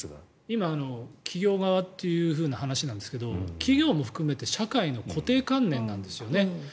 今、企業側というふうな話なんですが企業も含めて社会の固定観念なんですよね。